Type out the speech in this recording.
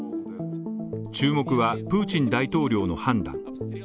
注目は、プーチン大統領の判断。